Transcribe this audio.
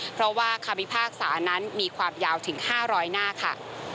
เพราะว่าคำพิพากษานั้นมีความยาวถึง๕๐๐หน้าค่ะ